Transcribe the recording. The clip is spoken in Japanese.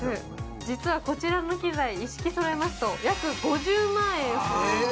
実はこちらの機材一式そろえますと約５０万円する。